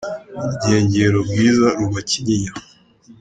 Urugengero bwiza ruba Kinyinya.